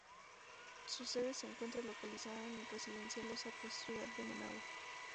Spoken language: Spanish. Su sede se encuentra localizada en el Residencial Los Arcos, Ciudad de Managua.